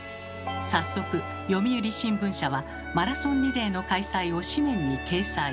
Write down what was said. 早速読売新聞社はマラソンリレーの開催を紙面に掲載。